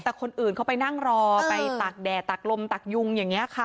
แต่คนอื่นเขาไปนั่งรอไปตากแดดตักลมตักยุงอย่างนี้ค่ะ